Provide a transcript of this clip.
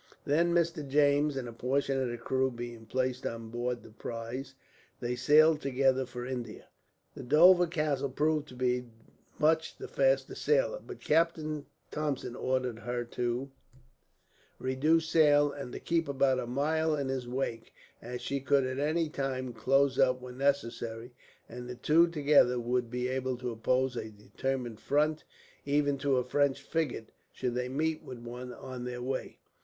Then, Mr. James and a portion of the crew being placed on board the prize, they sailed together for India. The Dover Castle proved to be much the faster sailer, but Captain Thompson ordered her to reduce sail, and to keep about a mile in his wake, as she could at any time close up when necessary; and the two, together, would be able to oppose a determined front, even to a French frigate, should they meet with one on their way.